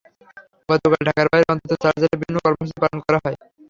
গতকাল ঢাকার বাইরে অন্তত চার জেলায় বিভিন্ন কর্মসূচি পালন করা হয়।